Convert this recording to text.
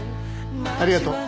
ありがとう。